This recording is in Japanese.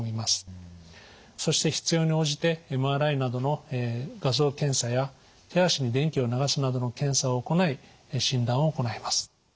そして必要に応じてＭＲＩなどの画像検査や手足に電気を流すなどの検査を行い診断を行います。